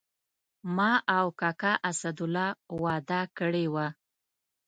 ما او کاکا اسدالله وعده کړې وه.